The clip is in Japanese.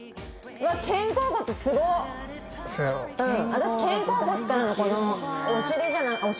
私肩甲骨からのこのお尻お尻か。